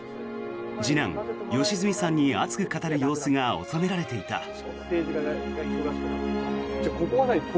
次男・良純さんに熱く語る様子が収められていた。